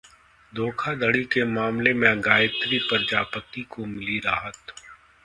धोखाधड़ी के मामले में गायत्री प्रजापति को मिली राहत